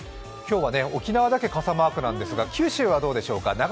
今日は沖縄だけ傘マークなんですが、九州はどうでしょうか。